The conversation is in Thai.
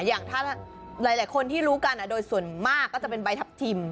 อย่างถ้าหลายคนที่รู้กันโดยส่วนมากก็จะเป็นใบทัพทิม